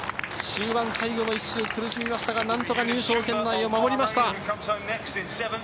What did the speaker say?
最後の１周苦しみましたが、何とか入賞圏内を守りました。